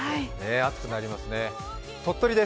暑くなりますね。